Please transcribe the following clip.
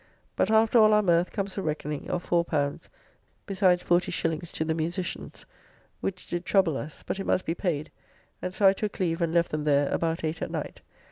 But after all our mirth comes a reckoning of L4, besides 40s. to the musicians, which did trouble us, but it must be paid, and so I took leave and left them there about eight at night.